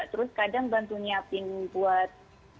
terus kadang bantu nyiapin buat